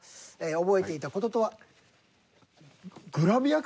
覚えていた事とは？